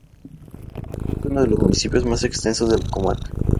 Es uno de los municipios más extensos de la comarca.